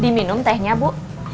diminum tehnya bu